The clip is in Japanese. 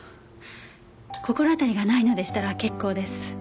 心当たりがないのでしたら結構です。